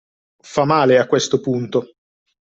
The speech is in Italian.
Fa male a questo punto.